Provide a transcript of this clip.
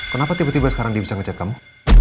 kenapa tiba tiba sekarang dia bisa ngecek kamu